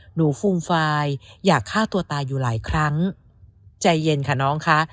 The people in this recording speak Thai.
ฟูมฟายอยากฆ่าตัวตายอยู่หลายครั้งใจเย็นค่ะน้องคะ